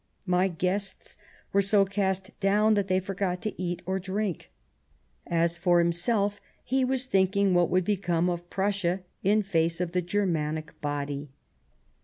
My guests were so cast down that they forgot to eat or drink." As for himself, he was thinking what would become of Prussia in face of the Germanic body.